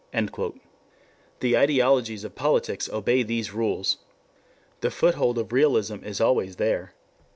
"] 4 The ideologies of politics obey these rules. The foothold of realism is always there.